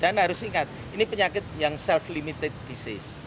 dan harus ingat ini penyakit yang self limited disease